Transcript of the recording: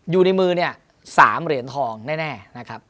อยู่ในมือเนี่ย๓เหรียญทองแน่นะครับ